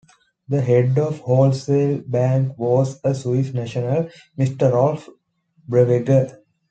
The Head of Wholesale Bank was a Swiss national, Mr Rolf Berweger.